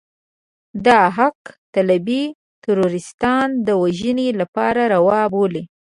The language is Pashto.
دا حق طالبي تروريستان د وژنې لپاره روا بولي.